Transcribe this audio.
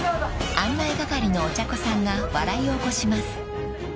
［案内係のお茶子さんが笑いを起こします］